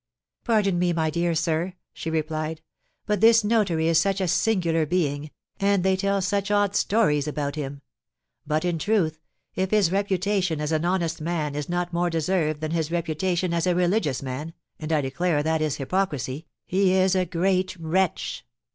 "Pardon me, my dear sir," she replied, "but this notary is such a singular being, and they tell such odd stories about him; but, in truth, if his reputation as an honest man is not more deserved than his reputation as a religious man (and I declare that is hypocrisy) he is a great wretch."